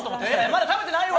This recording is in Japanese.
まだ食べてないわ！